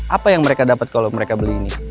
apa yang mereka dapat kalau mereka beli ini